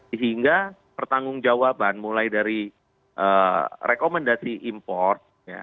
sehingga pertanggung jawaban mulai dari rekomendasi import